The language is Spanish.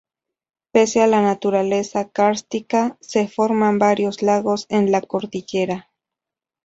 Pese a la naturaleza kárstica, se forman varios lagos en la cordillera.